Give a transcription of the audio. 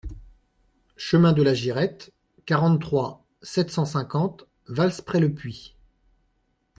Chemin de la Girette, quarante-trois, sept cent cinquante Vals-près-le-Puy